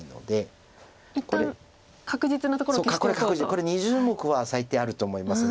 これ２０目は最低あると思います。